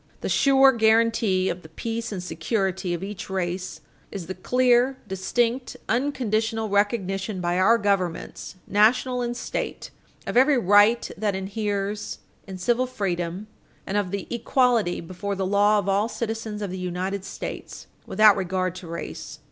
The sure guarantee of the peace and security of each race is the clear, distinct, unconditional recognition by our governments, National and State, of every right that inheres in civil freedom, and of the equality before the law of all citizens of the United States, without regard to race.